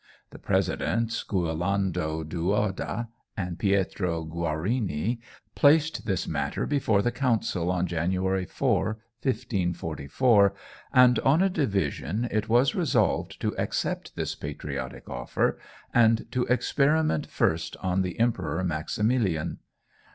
The Presidents, Guolando Duoda and Pietro Guiarini, placed this matter before the Council on January 4, 1544, and on a division, it was resolved to accept this patriotic offer, and to experiment first on the Emperor Maximilian.